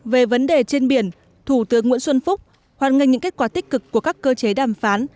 về vấn đề trên biển thủ tướng nguyễn xuân phúc hoàn ngành những kết quả tích cực của các cơ chế đàm phán